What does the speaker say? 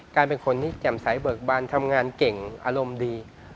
กลายเป็นคนที่แจ่มใสเบิกบานทำงานเก่งอารมณ์ดี